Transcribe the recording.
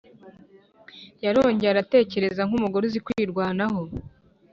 yarongeye aratekereza nkumugore uzikwirwanaho.